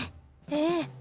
ええ。